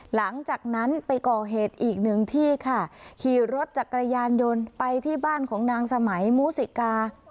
หลังจากนั้นไปก่อเหตุอีกหนึ่งที่ค่ะขี่รถจักรยานยนต์ไปที่บ้านของนางสมัยมูสิกา